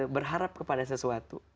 berharap kepada sesuatu